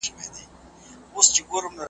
رپول یې له ناکامه وزرونه .